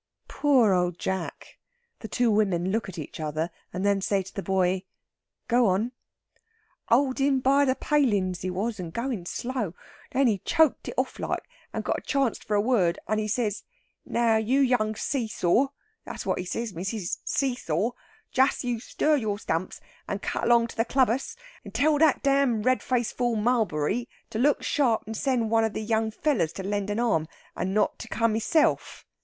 Poor Old Jack! The two women look at each other, and then say to the boy: "Go on." "Holdin' by the palins, he was, and goin' slow. Then he choked it off like, and got a chanst for a word, and he says: 'Now, you young see saw' that's what he said, missis, 'see saw' 'just you stir your stumps and cut along to the clubbus: and tell that dam red faced fool Mulberry to look sharp and send one of the young fellers to lend an arm, and not to come hisself.'